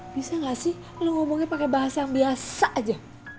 bisa gak sih lo ngomongnya pake bahasa yang biasa aja